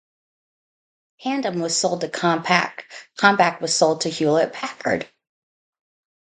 Tandem was sold to Compaq, Compaq was sold to Hewlett-Packard.